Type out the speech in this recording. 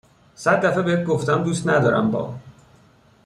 صد دفه بهت گفتم دوست ندارم با